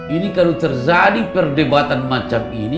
ini kalau terjadi perdebatan macam ini